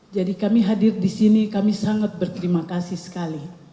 jadi kami hadir di sini kami sangat berterima kasih sekali